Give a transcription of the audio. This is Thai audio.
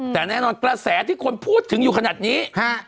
แต่แน่นอนกระแสที่คนพูดถึงอยู่ขนาดนี้